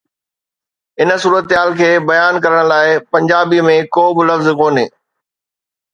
ان صورتحال کي بيان ڪرڻ لاءِ پنجابي ۾ ڪو به لفظ ڪونهي.